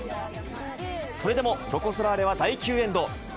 それでも、ロコ・ソラーレは第９エンド。